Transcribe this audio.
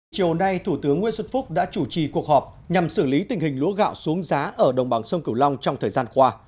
chiều nay thủ tướng nguyễn xuân phúc đã chủ trì cuộc họp nhằm xử lý tình hình lúa gạo xuống giá ở đồng bằng sông cửu long trong thời gian qua